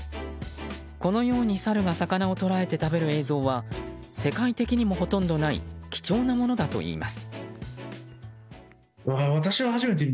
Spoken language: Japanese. このようにサルが魚をとらえて食べる映像は世界的にもほとんどない貴重なものだといいます。